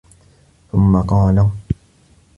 ثُمَّ قَالَ